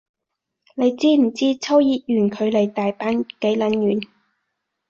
你知唔知秋葉原距離大阪幾撚遠